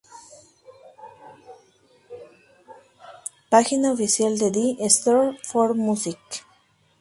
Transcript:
Página oficial de The Store for Music